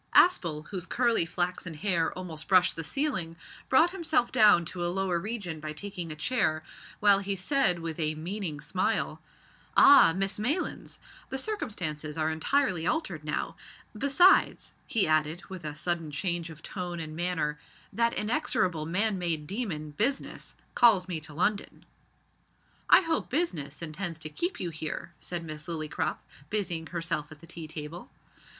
Aspel, whose curly flaxen hair almost brushed the ceiling, brought himself down to a lower region by taking a chair, while he said with a meaning smile "Ah! Miss Maylands, the circumstances are entirely altered now besides," he added with a sudden change of tone and manner, "that inexorable man made demon, Business, calls me to London." "I hope Business intends to keep you here," said Miss Lillycrop, busying herself at the tea table.